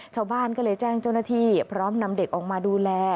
ชาวบ้านก็เลยแจ้งเจ้าหน้าที่พร้อมนำเด็กออกมาดูแล